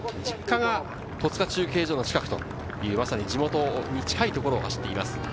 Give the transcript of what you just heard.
実家が戸塚中継所の近くという、まさに地元に近いところを走っています。